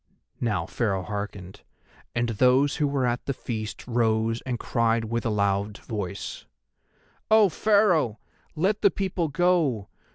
Now Pharaoh hearkened, and those who were at the feast rose and cried with a loud voice: "O Pharaoh, let the people go!